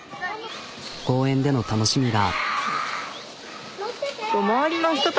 公園での楽しみが。